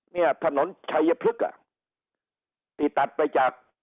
เนี่ยถนนชัยพฤกษ์อ่ะที่ตัดไปจาก